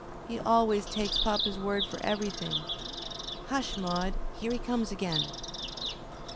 He always takes papa's word for everything. Hush, Maude; here he comes again."